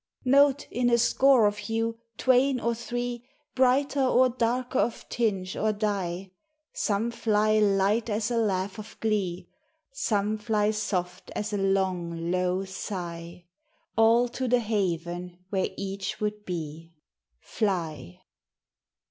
Note, in a score of you, twain or three Brighter or darker of tinge or dye; Some fly light as a laugh of glee, Some fly soft as a long, low sigh: All to the haven where each would be— Fly.